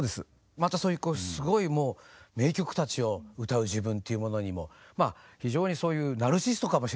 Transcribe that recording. またそういうすごいもう名曲たちを歌う自分っていうものにもまあ非常にそういうナルシストかもしれないけど。